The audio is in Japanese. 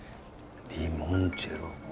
リモンチェッロ。